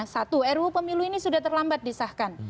satu ruu pemilu ini sudah terlambat disahkan